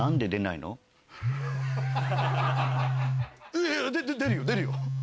いや出るよ出るよ。